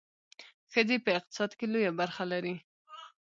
ښځې په اقتصاد کې لویه برخه لري.